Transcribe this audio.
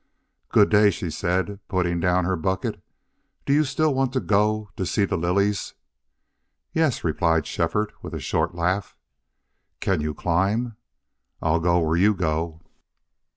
"Good day," she said, putting down her bucket. "Do you still want to go to see the lilies?" "Yes," replied Shefford, with a short laugh. "Can you climb?" "I'll go where you go."